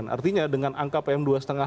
artinya dengan angka pm dua lima lima puluh satu